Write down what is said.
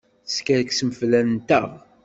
Teskerksem fell-anteɣ!